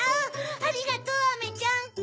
ありがとうアメちゃん！